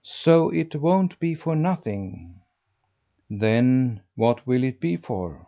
So it won't be for nothing." "Then what will it be for?